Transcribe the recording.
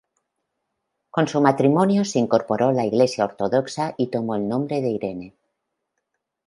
Con su matrimonio se incorporó la Iglesia ortodoxa y tomó el nombre de Irene.